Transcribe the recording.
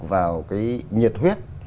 vào cái nhiệt huyết